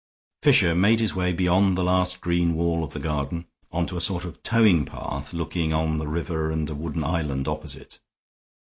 Fisher made his way beyond the last green wall of the garden on to a sort of towing path looking on the river and a wooden island opposite.